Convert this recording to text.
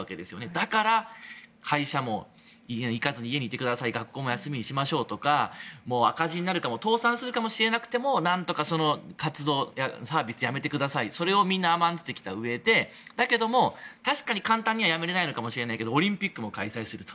だから、会社にも行かずに家にいてください学校も休みにしましょうとか赤字になるかも倒産するかもしれなくてもなんとか活動、サービスをやめてくださいそれをみんな甘んじてきたうえで確かに簡単にやめれないのかもしれないけどオリンピックも開催すると。